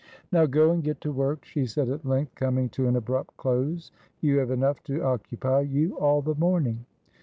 "Now go and get to work," she said at length, coming to an abrupt close. "You've enough to occupy you all the morning."